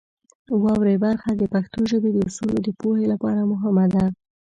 واورئ برخه د پښتو ژبې د اصولو د پوهې لپاره مهمه ده.